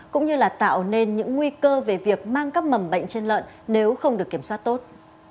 cũng như là tạo nên những nguy cơ về việc mang các mầm bệnh trên lợn nếu không được kiểm soát tốt